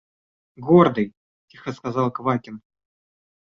– Гордый, – тихо сказал Квакин.